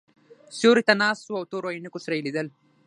سیوري ته ناست وو او تورو عینکو سره یې لیدل.